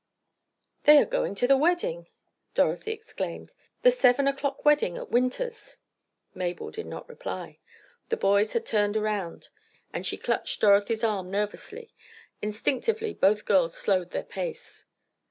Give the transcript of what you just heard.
"They are going to the wedding!" Dorothy exclaimed. "The seven o'clock wedding at Winter's!" Mabel did not reply. The boys had turned around, and she clutched Dorothy's arm nervously. Instinctively both girls slowed their pace.